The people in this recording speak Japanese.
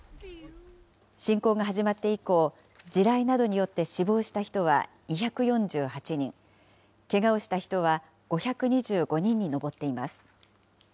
侵攻が始まって以降、地雷などによって死亡した人は２４８人、けがをした人は５２５人に上っています。